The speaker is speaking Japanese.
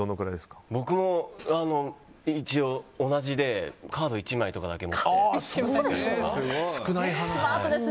僕も同じでカード１枚とかだけ持ってます。